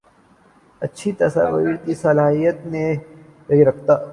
اچھی تصوارتی صلاحیت نہیں رکھتا